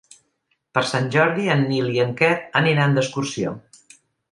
Per Sant Jordi en Nil i en Quer aniran d'excursió.